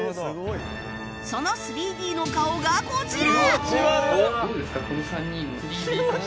その ３Ｄ の顔がこちら！